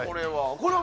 これは。